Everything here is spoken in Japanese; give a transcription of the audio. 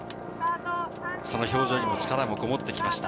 その表情に力も、こもってきました。